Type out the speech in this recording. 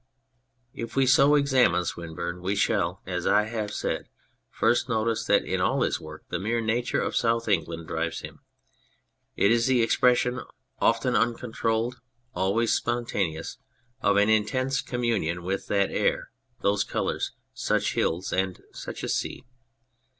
If we so examine Swinburne we shall, as I have said, first notice that in all his work the mere nature of South England drives him. It is the expression often uncontrolled, always spontaneous, of an in tense communion with that air, those colours, such hills and such a sea.